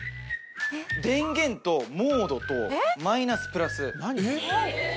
電源とモードとマイナスプラス。